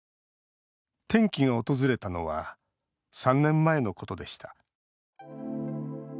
転機が訪れたのは３年前のことでした。